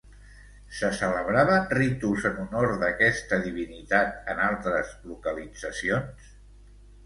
Se celebraven ritus en honor d'aquesta divinitat en altres localitzacions?